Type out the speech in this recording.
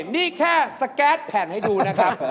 นี่แค่สแก๊สแผ่นให้ดูนะครับ